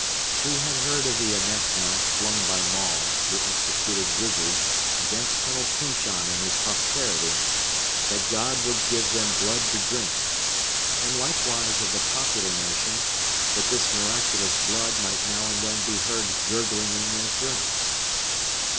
She had heard of the anathema flung by Maule, the executed wizard, against Colonel Pyncheon and his posterity,—that God would give them blood to drink,—and likewise of the popular notion, that this miraculous blood might now and then be heard gurgling in their throats.